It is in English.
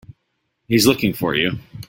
He's looking for you.